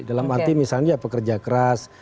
dalam arti misalnya ya pekerja keras